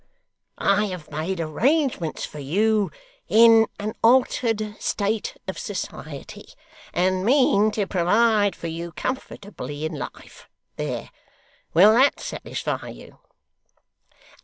I have made arrangements for you in an altered state of society, and mean to provide for you comfortably in life there! Will that satisfy you?